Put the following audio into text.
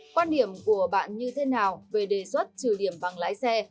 quan điểm của bạn như thế nào về đề xuất trừ điểm bằng lái xe